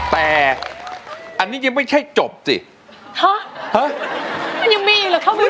แต่อันนี้ยังไม่ใช่จบสิฮะฮะมันยังมีเหรอคะพี่